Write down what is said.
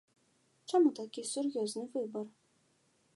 Чаму такі сур'ёзны выбар?